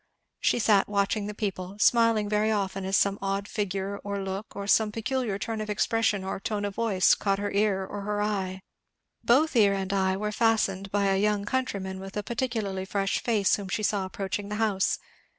She sat watching the people; smiling very often as some odd figure, or look, or some peculiar turn of expression or tone of voice, caught her ear or her eye. Both ear and eye were fastened by a young countryman with a particularly fresh face whom she saw approaching the house.